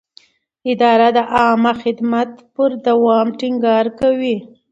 اداره د عامه خدمت پر دوام ټینګار کوي.